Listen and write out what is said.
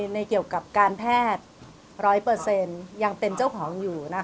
เกี่ยวกับการแพทย์๑๐๐ยังเป็นเจ้าของอยู่นะคะ